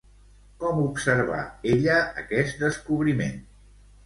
Com observà ella aquest descobriment?